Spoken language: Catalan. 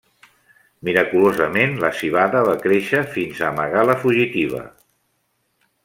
Miraculosament, la civada va créixer fins a amagar la fugitiva.